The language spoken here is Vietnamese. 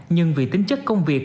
nhưng vì tính chất công việc